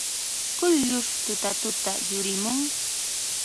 Quyllur tutatuta yurimun.